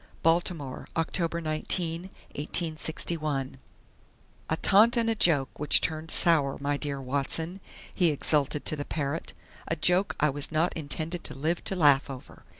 Baltimore, Oct. 19, 1861 "A taunt and a joke which turned sour, 'my dear Watson'!" he exulted to the parrot. "A joke I was not intended to live to laugh over!"